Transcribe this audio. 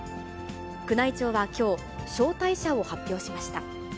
宮内庁はきょう、招待者を発表しました。